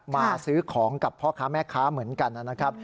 มาซื้อของกับพ่อค้าแม่ค้าเหมือนกันนะครับ